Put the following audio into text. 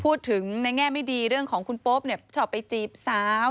พูดถึงในแง่ไม่ดีเรื่องของคุณโป๊ปชอบไปจีบสาว